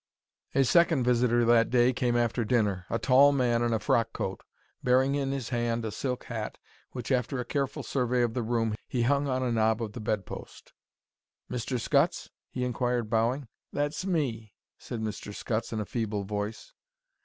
A second visitor that day came after dinner—a tall man in a frock coat, bearing in his hand a silk hat, which, after a careful survey of the room, he hung on a knob of the bedpost. "Mr. Scutts?" he inquired, bowing. "That's me," said Mr. Scutts, in a feeble voice.